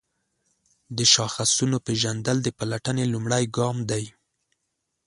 د شاخصونو پیژندل د پلټنې لومړی ګام دی.